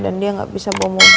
dan dia gak bisa bawa mobil